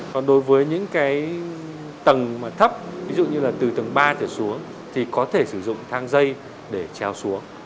còn đối với những tầng thấp ví dụ như từ tầng ba thể xuống thì có thể sử dụng thang dây để treo xuống